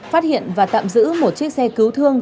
phát hiện và tạm giữ một chiếc xe cứu thương